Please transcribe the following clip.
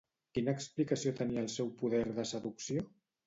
Quina explicació tenia el seu poder de seducció?